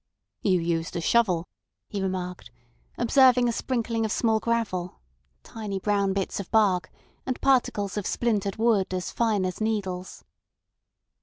"You used a shovel," he remarked, observing a sprinkling of small gravel, tiny brown bits of bark, and particles of splintered wood as fine as needles.